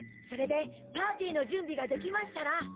それでパーティーの準備ができましたら。